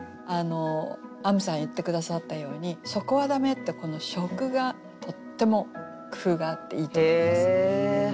あむさん言って下さったように「そこはだめ」ってこの初句がとっても工夫があっていいと思います。